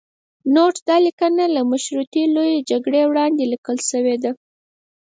نوټ: دا لیکنه له مشورتي لویې جرګې وړاندې لیکل شوې ده.